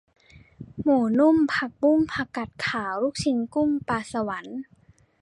หมูนุ่ม ผักบุ้ง ผักกาดขาว ลูกชิ้นกุ้ง ปลาสวรรค์